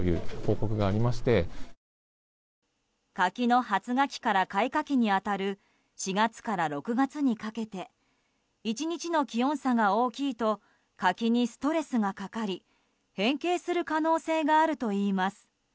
柿の発芽期から開花期に当たる４月から６月にかけて１日の気温差が大きいと柿にストレスがかかり変形する可能性があるといいます。